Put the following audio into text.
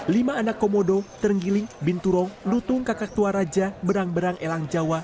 lima anak komodo terenggiling binturong lutung kakak tua raja berang berang elang jawa